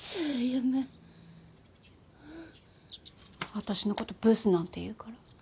私のことブスなんて言うから。